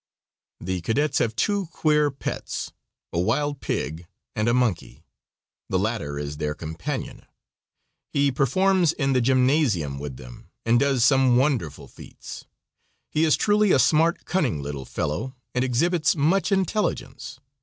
The cadets have two queer pets, a wild pig and a monkey. The latter is their companion. He performs in the gymnasium with them, and does some wonderful feats. He is truly a smart, cunning little fellow, and exhibits much intelligence.